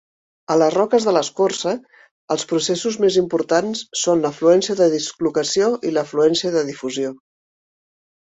A les roques de l'escorça, els processos més importants són la fluència de dislocació i la fluència de difusió.